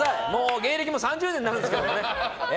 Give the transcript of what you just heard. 芸歴も３０年になるんですけどね。